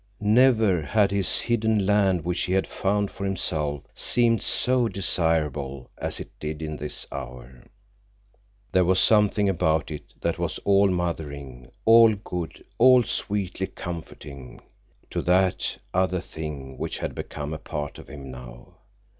Never had this hidden land which he had found for himself seemed so desirable as it did in this hour. There was something about it that was all mothering, all good, all sweetly comforting to that other thing which had become a part of him now.